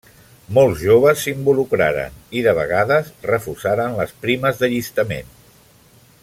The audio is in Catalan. Molts joves s'involucraren i de vegades refusaren les primes d'allistament.